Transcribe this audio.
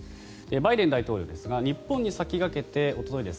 バイデン大統領ですが日本に先駆けておととい